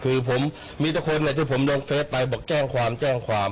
คือผมมีแต่คนแหละที่ผมลงเฟสไปบอกแจ้งความแจ้งความ